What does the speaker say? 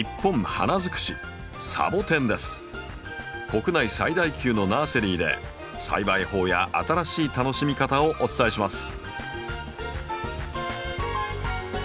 国内最大級のナーセリーで栽培法や新しい楽しみ方をお伝えします。